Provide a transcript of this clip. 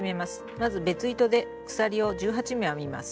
まず別糸で鎖を１８目編みます。